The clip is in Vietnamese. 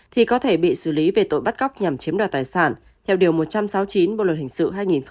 thì có thể bị xử lý về tội bắt cóc nhằm chiếm đoạt tài sản theo điều một trăm sáu mươi chín bộ luật hình sự hai nghìn một mươi năm